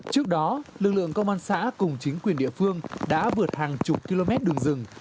trước đó lực lượng công an xã cùng chính quyền địa phương đã vượt hàng chục km đường rừng